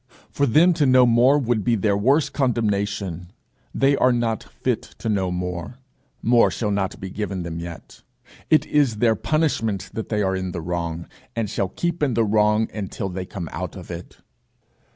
For them to know more would be their worse condemnation. They are not fit to know more; more shall not be given them yet; it is their punishment that they are in the wrong, and shall keep in the wrong until they come out of it.